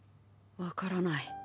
分からない。